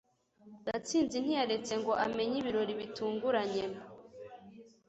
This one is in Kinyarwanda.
gatsinzi ntiyaretse ngo amenye ibirori bitunguranye